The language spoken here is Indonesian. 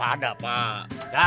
ya waspada pak